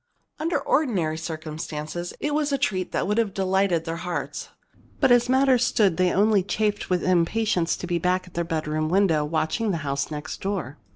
Under ordinary circumstances it was a treat that would have delighted their hearts. But, as matters stood, they only chafed with impatience to be back at their bedroom window, watching the house next door.